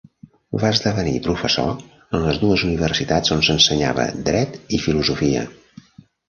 Va esdevenir professor en les dues universitats on s'ensenyava dret i filosofia.